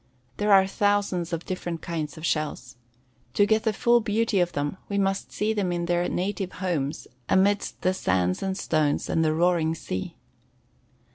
There are thousands of different kinds of shells. To get the full beauty of them we must see them in their native homes amidst the sands and stones and the roaring sea.